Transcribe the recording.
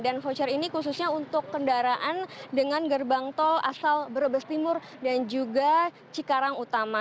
voucher ini khususnya untuk kendaraan dengan gerbang tol asal brebes timur dan juga cikarang utama